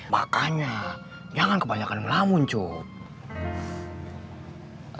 makanya jangan kebanyakan ngelamun cuuub